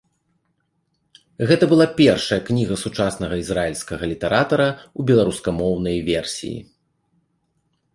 Гэта была першая кніга сучаснага ізраільскага літаратара ў беларускамоўнай версіі.